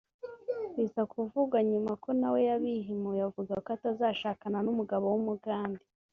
bisa kuvugwa nyuma ko nawe yabihimuye avuga ko atazashakana n’umugabo w’umugande